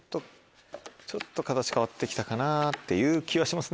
ちょっと形変わってきたかなっていう気はしますね。